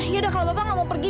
yaudah kalau bapak gak mau pergi